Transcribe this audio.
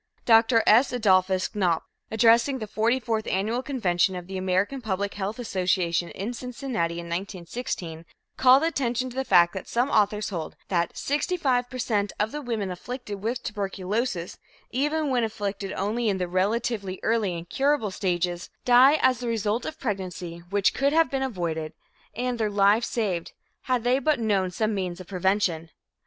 Dr. S. Adolphus Knopf, addressing the forty fourth annual convention of the American Public Health Association, in Cincinnati in 1916, called attention to the fact that some authors hold that "65 per cent of the women afflicted with tuberculosis, even when afflicted only in the relatively early and curable stages, die as the result of pregnancy which could have been avoided and their lives saved had they but known some means of prevention."